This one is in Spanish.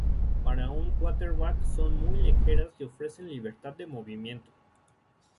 Para un quarterback son muy ligeras y ofrecen libertad de movimiento.